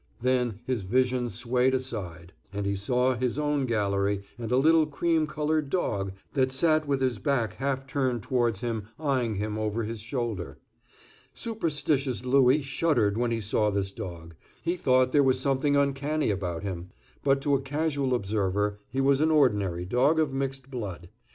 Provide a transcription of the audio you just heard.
Then his vision swayed aside, and he saw his own gallery, and a little cream colored dog, that sat with his back half turned towards him, eying him over his shoulder. Superstitious Louis shuddered when he saw this dog. He thought there was something uncanny about him; but to a casual observer he was an ordinary dog of mixed blood.